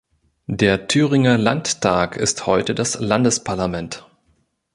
Der Thüringer Landtag ist heute das Landesparlament.